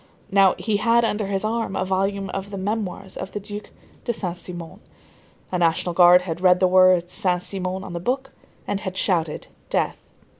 Now, he had under his arm a volume of the memoirs of the Duc de Saint Simon. A National Guard had read the words Saint Simon on the book, and had shouted: "Death!"